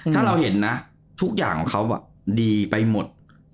ถ้าเราเห็นนะทุกอย่างของเขาดีไปหมด